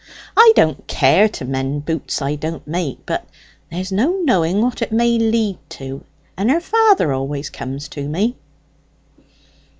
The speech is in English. I don't care to mend boots I don't make; but there's no knowing what it may lead to, and her father always comes to me."